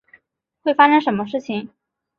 会发生什么事情？